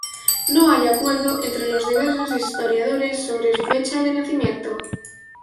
No hay acuerdo entre los diversos historiadores sobre su fecha de nacimiento.